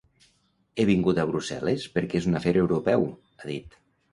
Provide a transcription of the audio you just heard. He vingut a Brussel·les perquè és un afer europeu, ha dit.